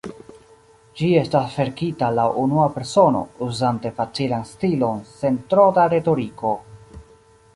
Ĝi estas verkita laŭ unua persono, uzante facilan stilon, sen tro da retoriko.